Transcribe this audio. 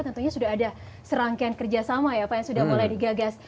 tentunya sudah ada serangkaian kerjasama ya pak yang sudah mulai digagas